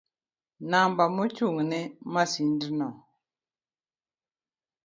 Namba mochung'ne masindno